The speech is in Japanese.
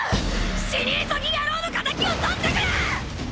死に急ぎ野郎の仇をとってくれ！！